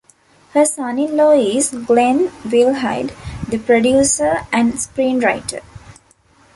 Her son-in-law is Glenn Wilhide, the producer and screenwriter.